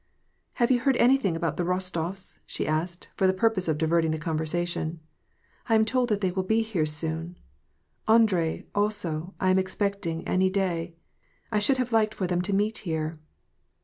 " Have you heard anything about the Rostof s ?" she asked, for the purpose of diverting the conversation. "I am told that they will be here soon. Andre, also, T am expecting any day. I should have liked for them to meet here."